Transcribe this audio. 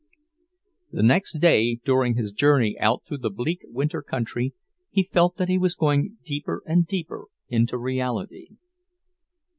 The next day, during his journey out through the bleak winter country, he felt that he was going deeper and deeper into reality.